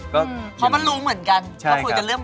พอพันรุเหมือนกัน